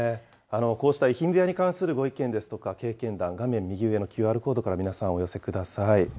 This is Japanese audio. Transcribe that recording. こうした遺品部屋に関するご意見ですとか、経験談、画面右上のＱＲコードから、皆さん、お寄せください。